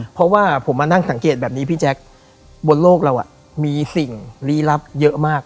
เพราะว่าผมมานั่งสังเกตแบบนี้พี่แจ๊คบนโลกเรามีสิ่งลี้ลับเยอะมาก